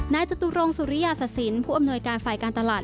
จตุรงสุริยาศสินผู้อำนวยการฝ่ายการตลาด